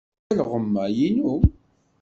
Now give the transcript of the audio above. Alɣem-a i nnu.